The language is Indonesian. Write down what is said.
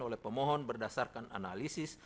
oleh pemohon berdasarkan analisis